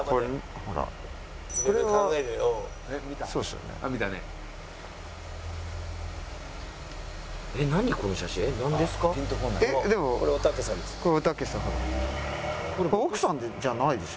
「これおたけさんです」。